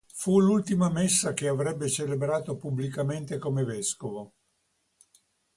Fu l'ultima messa che avrebbe celebrato pubblicamente come vescovo.